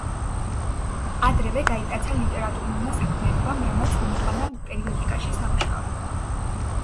ადრევე გაიტაცა ლიტერატურულმა საქმიანობამ, რამაც მიიყვანა პერიოდიკაში სამუშაოდ.